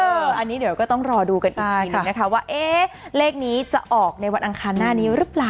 อันนี้เดี๋ยวก็ต้องรอดูกันอีกทีหนึ่งนะคะว่าเอ๊ะเลขนี้จะออกในวันอังคารหน้านี้หรือเปล่า